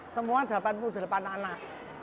semua dapat mudah lepas anak